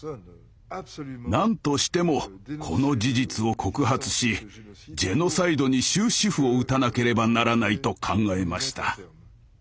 なんとしてもこの事実を告発しジェノサイドに終止符を打たなければならないと考えました。